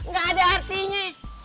gak ada artinya